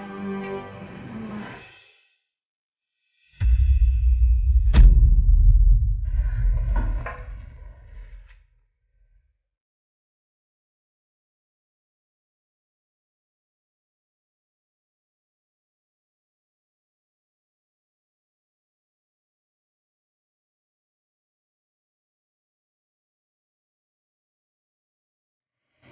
sampai jumpa lagi